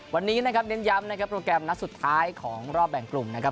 วันนี้นะครับเน้นย้ำนะครับโปรแกรมนัดสุดท้ายของรอบแบ่งกลุ่มนะครับ